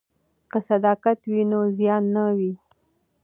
که صداقت وي نو زیان نه وي.